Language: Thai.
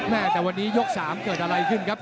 แม่แต่วันนี้ยก๓เกิดอะไรขึ้นครับ